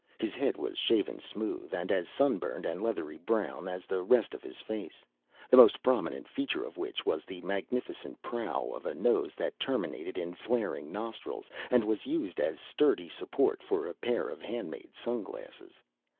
His head was shaven smooth and as sunburned and leathery brown as the rest of his face, the most prominent feature of which was the magnificent prow of a nose that terminated in flaring nostrils and was used as sturdy support for a pair of handmade sunglasses.